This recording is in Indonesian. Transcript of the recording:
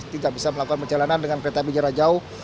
tidak bisa melakukan perjalanan dengan kereta penjara jauh